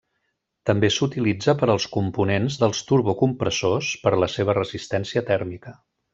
També s'utilitza per als components dels turbocompressors, per la seva resistència tèrmica.